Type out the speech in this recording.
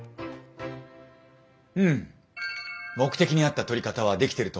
うん目的に合った撮り方はできてると思いますよ。